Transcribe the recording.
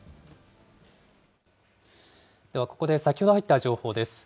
ではここで、先ほど入った情報です。